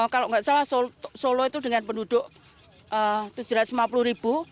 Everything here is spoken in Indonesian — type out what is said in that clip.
kalau nggak salah solo itu dengan penduduk tujuh ratus lima puluh ribu